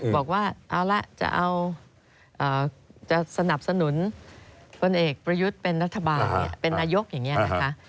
บอกว่าเอาละจะเอาจะสนับสนุนพลเอกประยุทธ์เป็นรัฐบาลเป็นนายกอย่างนี้นะคะ